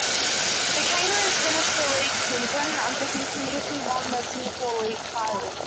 The Kangaroos finished the league season undefeated and easily won the Singapore league title.